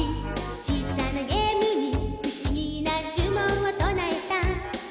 「小さなゲームにふしぎなじゅもんをとなえた」